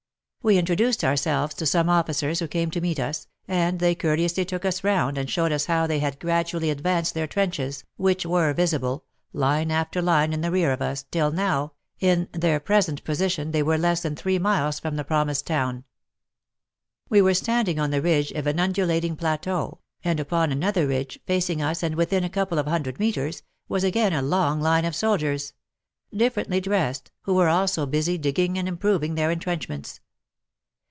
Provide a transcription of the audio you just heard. We introduced ourselves to some officers who came to meet us, and they courteously took us round and showed us how they had gradually advanced their trenches, which were visible, line after line in the rear of us, till now, in their present position, they were less than three miles from the promised town. We were standing on the ridge of an undul ating plateau, and upon another ridge, facing us and within a couple of hundred metres, was again along line of soldiers — differently dressed, who were also busy digging and improving their entrenchments.